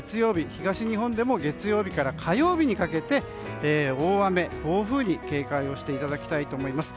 東日本でも月曜日から火曜日にかけて大雨、暴風に警戒していただきたいと思います。